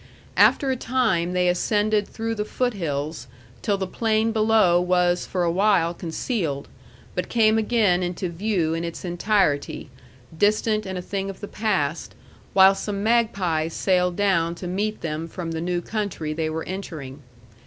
After a time they ascended through the foot hills till the plain below was for a while concealed, but came again into view in its entirety, distant and a thing of the past, while some magpies sailed down to meet them from the new country they were entering.